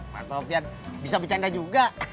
pak sofian bisa bercanda juga